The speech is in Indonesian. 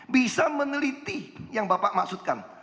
bisa meneliti yang bapak maksudkan